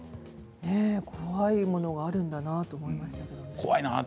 怖いものがあるんだなと思いました。